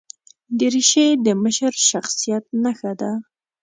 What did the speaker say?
دریشي د مشر شخصیت نښه ده.